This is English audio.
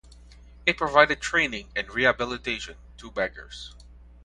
It provided training and rehabilitation to beggars.